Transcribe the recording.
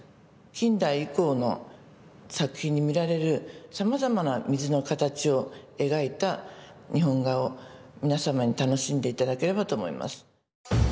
近代以降の作品に見られるさまざまな水のかたちを描いた日本画を皆様に楽しんで頂ければと思います。